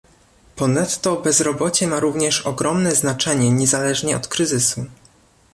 Ponadto bezrobocie ma również ogromne znaczenie niezależnie od kryzysu